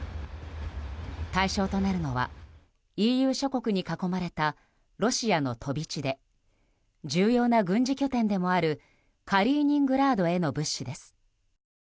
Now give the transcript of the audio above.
対象となるのはＥＵ諸国に囲まれたロシアの飛び地で重要な軍事拠点でもあるカリーニングラードへの物資です。